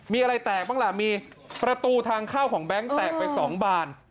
มีอะไรแตกบ้างล่ะมีประตูทางเข้าของแบงค์แตกไป๒บาน